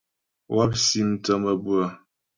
Wáp si mthə́ mabʉə́ə.